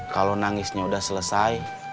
kalau nangisnya udah selesai